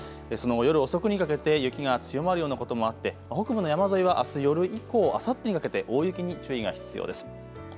その後夜遅くにかけて雪が強まるようなこともあって北部の山沿いはあす夜以降、あさってにかけて大雪に注意が必要です。